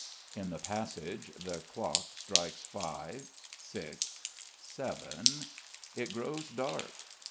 In the passage the clock strikes five, six, seven.... It grows dark.